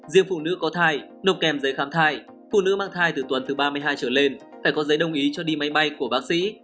riêng phụ nữ có thai nộp kèm giấy khám thai phụ nữ mang thai từ tuần từ ba mươi hai trở lên phải có giấy đồng ý cho đi máy bay của bác sĩ